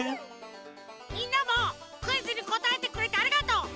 みんなもクイズにこたえてくれてありがとう。